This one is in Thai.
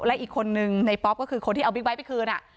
และอีกคนนึงในป๊อปก็คือคนที่เอาบิ๊กไบท์ไปคืน